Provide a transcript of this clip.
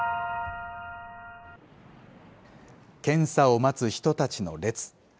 検査を待つ人たちの列。